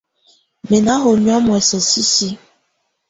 Mɛ́ ná hɔnyɔ̀á muɛsɛ sisiǝ.